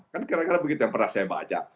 kan kira kira begitu yang pernah saya baca